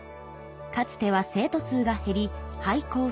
かつては生徒数が減り廃校寸前でした。